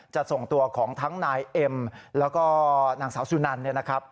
จะส่งตัวของทั้งนายเอ็มแล้วก็นางสาวสุนันเนี่ยนะครับ